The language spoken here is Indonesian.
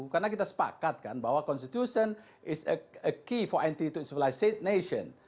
karena kita sepakatkan bahwa konstitusi adalah kunci untuk antikasih kemasyarakat